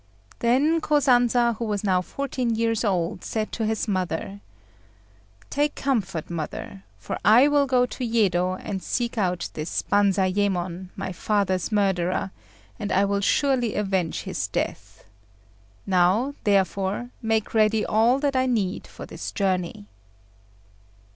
Then Kosanza, who was now fourteen years old, said to his mother "Take comfort, mother; for I will go to Yedo and seek out this Banzayémon, my father's murderer, and I will surely avenge his death. Now, therefore, make ready all that I need for this journey."